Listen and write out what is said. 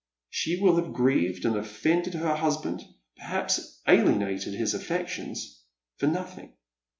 She will have grieved and offended her hus band, perhaps alienated his affections — for nothing.